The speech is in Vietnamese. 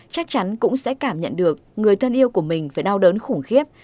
chắc chắn cũng sẽ cảm nhận được người thân yêu của mình phải đau đớn khủng khiếp